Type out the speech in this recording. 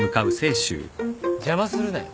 邪魔するなよ。